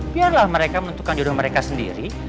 biarlah mereka menentukan diri mereka sendiri